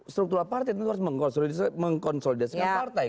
struktural partai itu harus mengkonsolidasi